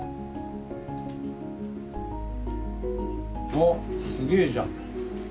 おっすげえじゃん。